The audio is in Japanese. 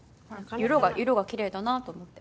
色が色がきれいだなと思って。